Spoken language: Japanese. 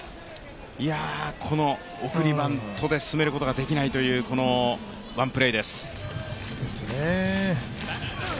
送りバントで進めることができないというこのワンプレーです。